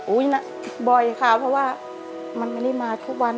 บ่อยค่ะเพราะว่ามันไม่ได้มาทุกวัน